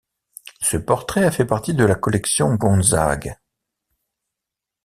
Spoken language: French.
Ce portrait a fait partie de la Collection Gonzague.